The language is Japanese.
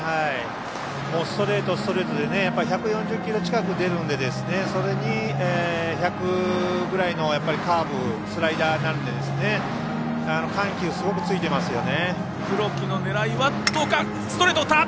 ストレート、ストレートで１４０キロ近く出るんでそれに１００ぐらいのカーブスライダーなどで緩急、すごくついていますよね。